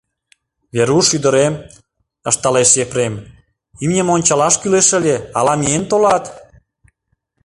— Веруш ӱдырем, — ышталеш Епрем, — имньым ончалаш кӱлеш ыле, ала миен толат?